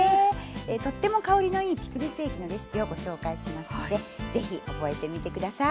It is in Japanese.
とっても香りのいいピクルス液のレシピをご紹介しますので是非覚えてみて下さい。